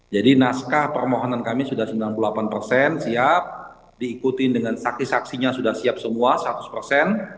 jadi naskah permohonan kami sudah sembilan puluh delapan persen siap diikuti dengan saksi saksinya sudah siap semua seratus persen